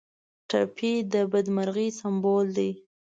ټپي د بدمرغۍ سمبول دی.